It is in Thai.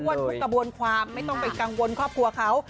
ดัดประวัต้ีประโยชน์ความไม่ต้องไปกังวลครอบครัวเขา